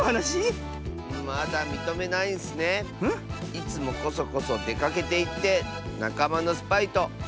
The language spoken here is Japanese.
いつもこそこそでかけていってなかまのスパイとあってるんでしょ